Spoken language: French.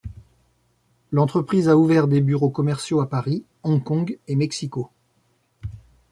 L'entreprise a ouvert des bureaux commerciaux à Paris, Hong Kong et Mexico.